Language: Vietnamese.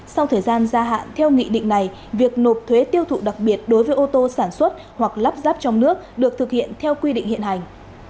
sau thời gian gia hạn theo nghị định này việc nộp thuế tiêu thụ đặc biệt đối với ô tô sản xuất hoặc lắp ráp trong nước được thực hiện theo quy định hiện hành